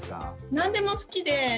何でも好きで。